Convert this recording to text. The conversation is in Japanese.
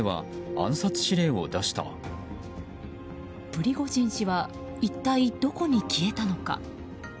プリゴジン氏は一体どこに消えたのか。